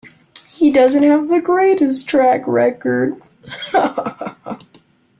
He doesn't have the greatest track record.